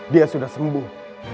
dia sudah sembuh